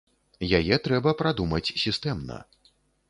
Яе трэба прадумаць сістэмна.